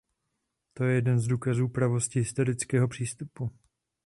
To je jeden z důkazů pravosti historického přístupu.